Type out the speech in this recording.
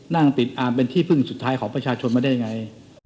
นั่งติดอามเป็นที่พึ่งสุดท้ายของประชาชนมาได้ยังไง